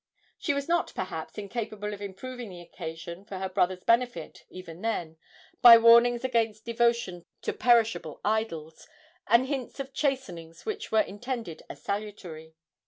She was not, perhaps, incapable of improving the occasion for her brother's benefit even then, by warnings against devotion to perishable idols, and hints of chastenings which were intended as salutary.